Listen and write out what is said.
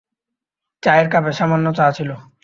চায়ের কাপে সামান্য চা ছিল।